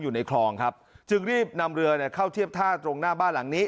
อยู่ในคลองครับจึงรีบนำเรือเนี่ยเข้าเทียบท่าตรงหน้าบ้านหลังนี้